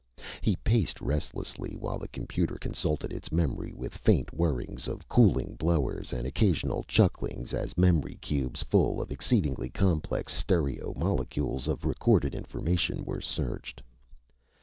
He paced restlessly while the computer consulted its memory with faint whirrings of cooling blowers, and occasional chucklings as memory cubes full of exceedingly complex stereomolecules of recorded information were searched.